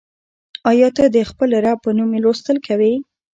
آیا ته د خپل رب په نوم لوستل کوې؟